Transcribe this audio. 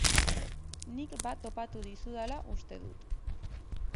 Nik bat topatu dizudala uste dut.